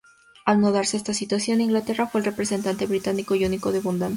Al no darse esa situación, Inglaterra fue el representante británico y único debutante.